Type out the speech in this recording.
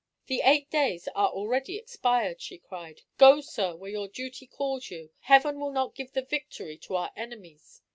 "The eight days are already expired!" she cried. "Go, sir, where your duty calls you. Heaven will not give the victory to our enemies.